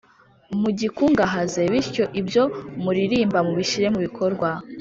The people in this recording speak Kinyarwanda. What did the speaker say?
mugikungahaze, bityo ibyo muririmba mubishyire mu bikorwa